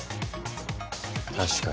確かに。